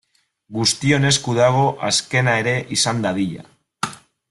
Guztion esku dago azkena ere izan dadila.